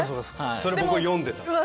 それを僕は読んでた。